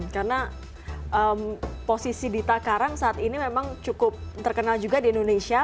karena posisi dita karang saat ini memang cukup terkenal juga di indonesia